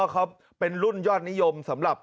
อ๋อครับเป็นรุ่นยอดนิยมสำหรับ